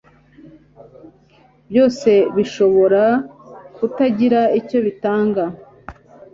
byose bishobora kutagira icyo bitanga